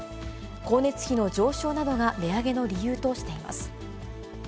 光熱費の上昇などが値上げの理由としています。